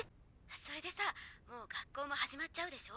それでさもう学校も始まっちゃうでしょ。